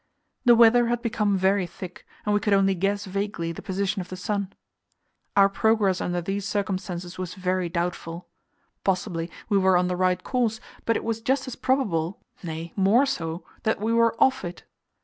The weather had become very thick, and we could only guess vaguely the position of the sun. Our progress under these circumstances was very doubtful; possibly we were on the right course, but it was just as probable nay, more so that we were off it.